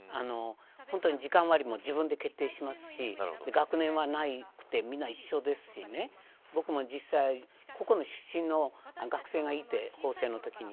時間割も自分で決定しますし学年はなく、みんな一緒ですし僕も実際法政のときにここの学生がいました。